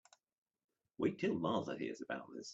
Wait till Martha hears about this.